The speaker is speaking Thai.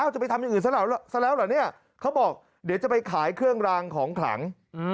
จะไปทำอย่างอื่นซะแล้วเหรอเนี่ยเขาบอกเดี๋ยวจะไปขายเครื่องรางของขลัง